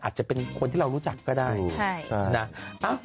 อาจจะเป็นคนที่เรารู้จักก็ได้นะ